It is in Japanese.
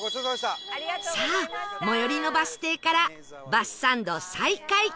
さあ最寄りのバス停からバスサンド再開